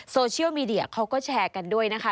โซเชียลมีเดียเขาก็แชร์กันด้วยนะคะ